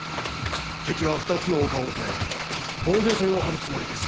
敵は２つの丘を押さえ防御線を張るつもりです。